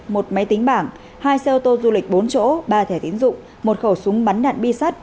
một máy tính bảng hai xe ô tô du lịch bốn chỗ ba thẻ tín dụng một khẩu súng bắn đạn bi sắt